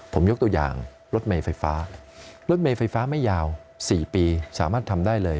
ผมยกตัวอย่างรถเมย์ไฟฟ้ารถเมย์ไฟฟ้าไม่ยาว๔ปีสามารถทำได้เลย